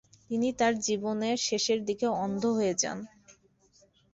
তিনি তার জীবনের শেষের দিকে অন্ধ হয়ে যান।